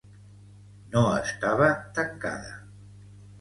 No estava tancada.